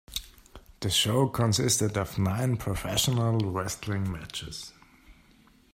The show consisted of nine professional wrestling matches.